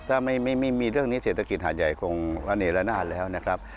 ถ้าไม่มีเรื่องนี้เศรษฐกิจหาดใหญ่คงระเนรนาศแล้วนะครับ